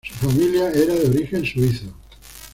Su familia era de origen suizo.